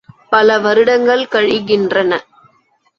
பல வருடங்கள் கழிகின்றன.